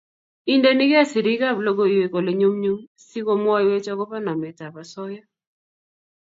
Indenigei sirik ab logoywek olenyumnyum si komwaiwech akobo namet ab asoya